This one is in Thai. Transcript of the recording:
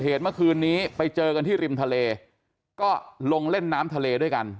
เมื่อคืนนี้ไปเจอกันที่ริมทะเลก็ลงเล่นน้ำทะเลด้วยกัน